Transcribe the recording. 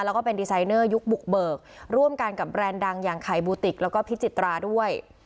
แล้วก็เป็นดีไซเนอร์ยุคบุกเบิกร่วมกันกับแบรนด์ดังอย่างไข่บูติกแล้วก็พิจิตราด้วย